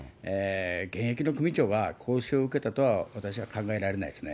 現役の組長が講習を受けたとは私は考えられないですね。